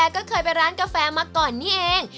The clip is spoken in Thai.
ก็เคยไปร้านกาแฟมาก่อนนี่เอง